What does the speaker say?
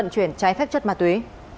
trái phép chất ma túy